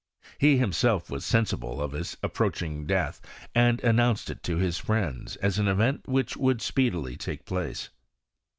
He himself was sensible of his approaching death, and announced it to his friends as an event which would speedily take place.